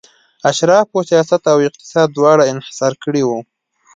اشرافو سیاست او اقتصاد دواړه انحصار کړي وو.